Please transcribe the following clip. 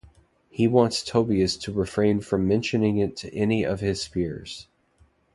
He wants Tobias to refrain from mentioning it to any of his peers.